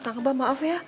kakak kebak maaf ya